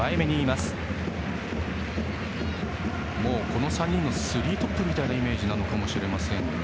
この３人のスリートップみたいなイメージかもしれません。